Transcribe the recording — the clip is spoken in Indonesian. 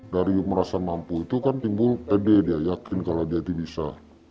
dari merasa mampu itu kan timbul pede dia yakin kalau dia itu bisa